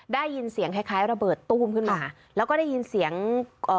ได้ยินเสียงคล้ายคล้ายระเบิดตู้มขึ้นมาแล้วก็ได้ยินเสียงเอ่อ